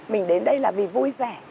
mình đến đây là vì vui vẻ